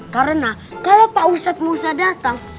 karena kalau pak ustaz musa datang